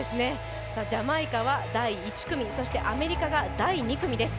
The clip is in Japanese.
ジャマイカは第１組、アメリカが第２組です。